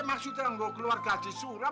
maksudnya mau keluar haji sulam